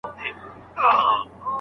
ګډوډي شيطاني کار دی.